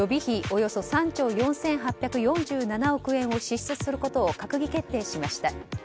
およそ３兆４８４７億円を支出することを閣議決定しました。